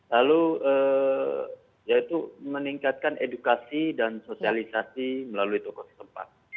lalu yaitu meningkatkan edukasi dan sosialisasi melalui toko setempat